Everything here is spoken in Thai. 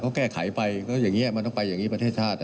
เขาแก้ไขไปก็อย่างนี้มันต้องไปอย่างนี้ประเทศชาติ